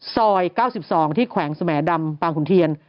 ซอย๙๒ที่แขวงสมดำบางขุนเทียน